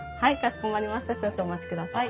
少々お待ちください。